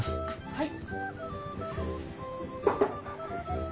はい。